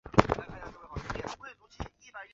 每个少女被赋与特别的宠物。